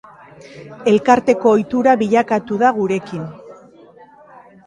Elkarteko ohitura bilakatu da gurekin.